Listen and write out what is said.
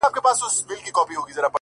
نن مي بيا ټوله شپه’